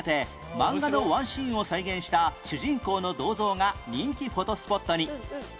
漫画のワンシーンを再現した主人公の銅像が人気フォトスポットに